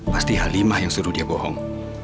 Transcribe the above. pasti halimah yang suruh dia bohong